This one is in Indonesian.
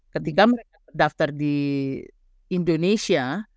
ketika mereka daftar di indonesia